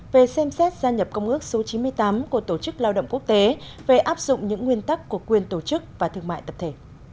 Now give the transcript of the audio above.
về xem xét gia nhập công ước số chín mươi tám của tổ chức lao động quốc tế về áp dụng những nguyên tắc của quyền tổ chức và thương mại tập thể